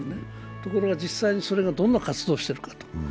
ところが実際にそれがどんな活動をしているか。